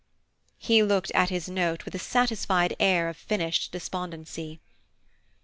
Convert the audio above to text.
He looked at his note with a satisfied air of finished despondency.